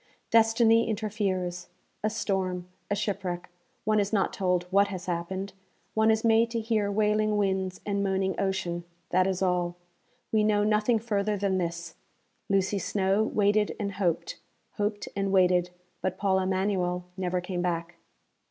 Destiny interferes; a storm; a shipwreck one is not told what has happened: one is made to hear wailing winds and moaning ocean, that is all; we know nothing further than this: _Lucy Snowe waited and hoped; hoped and waited; but Paul Emanuel never came back.